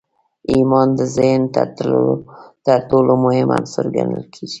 ايمان د ذهن تر ټولو مهم عنصر ګڼل کېږي.